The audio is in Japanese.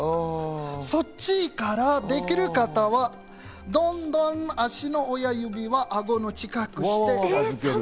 そっちからできる方は、どんどん足の親指はあごの近くにして。